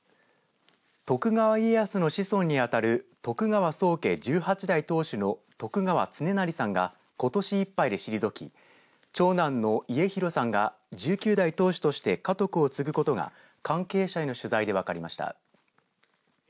徳川家康の子孫に当たる徳川宗家１８代当主の徳川恒孝さんがことしいっぱいで退き長男の家広さんが１９代当主として家督を継ぐことが関係者への取材で分かりました。